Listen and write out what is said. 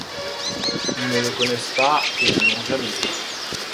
Ils ne le connaissent pas et ne l'ont jamais vu.